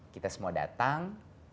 kita semua datang